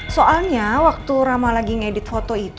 soalnya waktu rama lagi ngedit foto itu